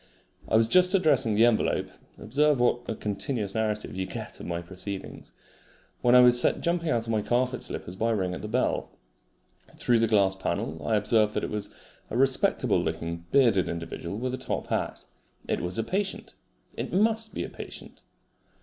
I was just addressing the envelope (observe what a continuous narrative you get of my proceedings!) when I was set jumping out of my carpet slippers by a ring at the bell. Through the glass panel I observed that it was a respectable looking bearded individual with a top hat. It was a patient. It MUST be a patient!